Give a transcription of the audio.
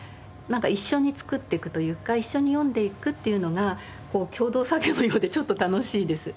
一緒に作っていくというか一緒に読んでいくというのが共同作業のようでちょっと楽しいです。